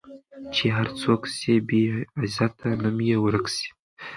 چي هر څوک سي بې عزته نوم یې ورک سي